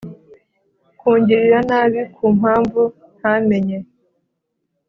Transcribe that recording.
kungirira nabi ku mpamvu ntamenye.”